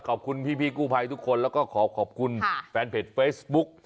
ขอบคุณพี่กู้ภัยทุกคนแล้วก็ขอขอบคุณแฟนเพจเฟซบุ๊ก